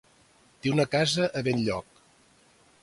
Té una casa a Benlloc.